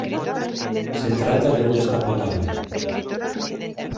Se trata de un descapotable.